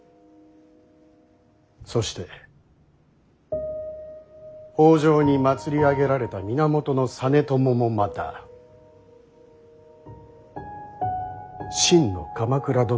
そして北条に祭り上げられた源実朝もまた真の鎌倉殿にあらず。